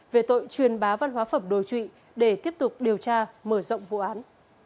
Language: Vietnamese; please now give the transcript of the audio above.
về tội truyền bá văn hóa phẩm đồ trụy để tiếp tục điều tra mở rộng vụ án